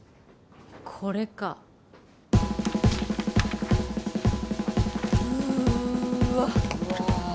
これかうわうわ